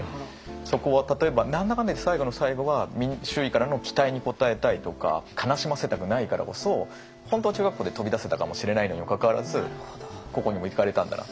そこは例えば何だかんだいって最後の最後は周囲からの期待に応えたいとか悲しませたくないからこそ本当は中学校で飛び出せたかもしれないのにもかかわらず高校にも行かれたんだな。